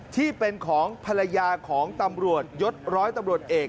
ที่เป็นของภรรยาของตำรวจยศร้อยตำรวจเอก